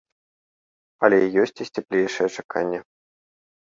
Але ёсць і сціплейшыя чаканні.